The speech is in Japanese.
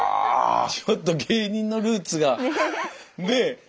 ちょっと芸人のルーツがねえ。